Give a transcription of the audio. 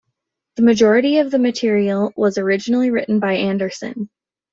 The majority of the material was originally written by Anderson.